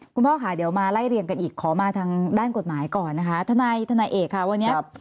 กฎหมายก่อนนะคะทนาเอกค่ะวันนี้